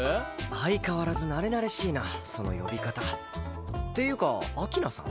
相変わらずなれなれしいなその呼び方。っていうかアキナさん？